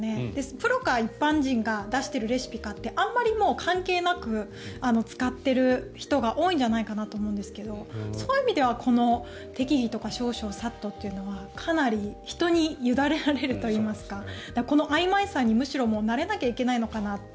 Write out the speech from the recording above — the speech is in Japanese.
プロか一般人が出しているレシピかってあまりもう、関係なく使っている人が多いんじゃないかなと思うんですがそういう意味では適宜とか少々とかさっとというのはかなり人に委ねられるというかこのあいまいさにむしろ慣れなきゃいけないのかなと。